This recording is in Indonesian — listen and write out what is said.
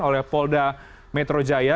oleh polda metro jaya